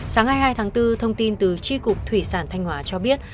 sáng hai mươi hai tháng bốn thông tin từ tri cục thủy sản thanh hóa cho biết